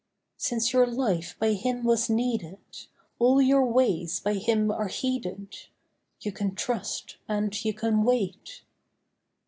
Since your life by Him was needed, All your ways by Him are heeded— You can trust and you can wait.